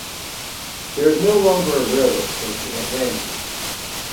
There is no longer a railway station at Ramsey.